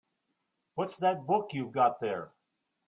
What's that book you've got there?